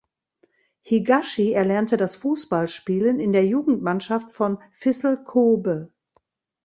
Higashi erlernte das Fußballspielen in der Jugendmannschaft von Vissel Kobe.